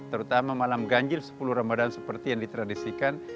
terutama malam ganjil sepuluh ramadhan seperti yang ditradisikan